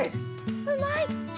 うまい！